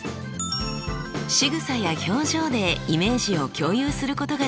しぐさや表情でイメージを共有することができます。